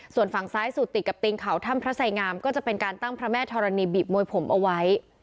ส่วนฝั่งซ้ายสุดติดกับติงเขาถ้ำพระไสงามก็จะเป็นการตั้งพระแม่ธรณีบีบมวยผมเอาไว้